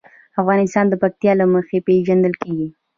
افغانستان د پکتیا له مخې پېژندل کېږي.